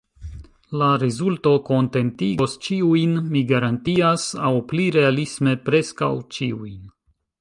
La rezulto kontentigos ĉiujn, mi garantias; aŭ pli realisme, preskaŭ ĉiujn.